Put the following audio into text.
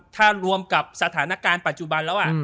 ถ้ารวมกับสถานการณ์ปัจจุบันแล้ว